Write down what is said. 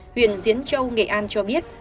huyền diễn châu nghệ an cho biết